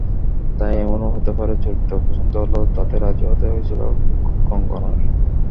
তাই এমনও হতে পারে চরিত্র অপছন্দ হলেও তাতে রাজি হতে হয়েছিল কঙ্গনার।